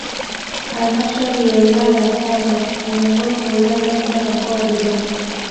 Halmashauriya Wilaya ya Kongwa ni miongoni mwa wilaya saba za mkoa wa Dodoma